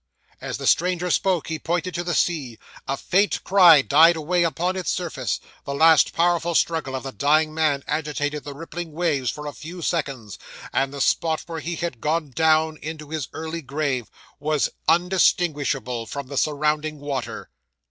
'As the stranger spoke, he pointed to the sea. A faint cry died away upon its surface; the last powerful struggle of the dying man agitated the rippling waves for a few seconds; and the spot where he had gone down into his early grave, was undistinguishable from the surrounding water.